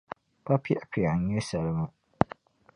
Pa piɣipiɣi n-nyɛ salima.